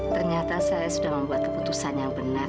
ternyata saya sudah membuat keputusan yang benar